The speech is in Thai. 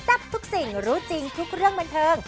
ทับทุกสิ่งรู้จริงทุกเรื่องบันเทิง